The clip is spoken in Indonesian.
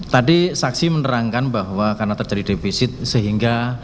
tadi saksi menerangkan bahwa karena terjadi defisit sehingga